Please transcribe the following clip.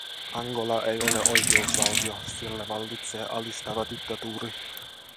Angola ei ole oikeusvaltio, siellä vallitsee alistava diktatuuri.